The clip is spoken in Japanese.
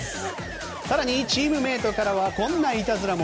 更にチームメートからはこんないたずらも。